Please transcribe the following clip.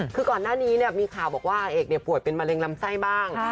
คือก่อนหน้านี้มีข่าวบอกว่าอาเอกป่วยเป็นมะเร็งลำไส้บ้าง